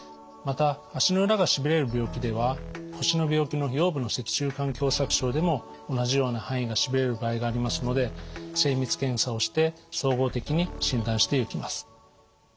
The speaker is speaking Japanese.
また足の裏がしびれる病気では腰の病気の腰部の脊柱管狭さく症でも同じような範囲がしびれる場合がありますので精密検査をして総合的に診断していきます。